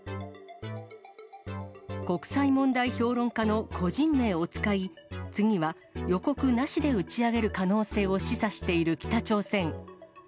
国際問題評論家の個人名を使い、次は予告なしで打ち上げる可能性を示唆している北朝鮮。